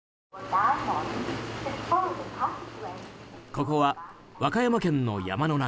ここは和歌山県の山の中。